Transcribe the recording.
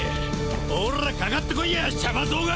オラかかってこいやシャバ僧が！